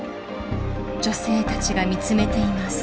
女性たちが見つめています。